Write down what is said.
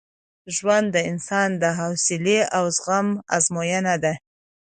ژوند د انسان د حوصلې او زغم ازموینه ده.